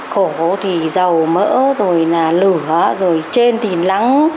cổ thì dầu mỡ rồi là lửa rồi trên thì lắng